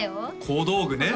小道具ね